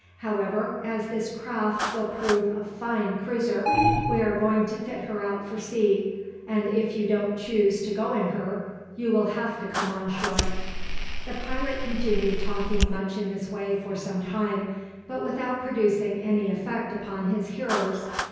"However, as this craft will prove a fine cruiser, we are going to fit her out for sea, and if you don't choose to go in her, you will have to come on shore." The pirate continued talking much in this way for some time, but without producing any effect upon his hearers.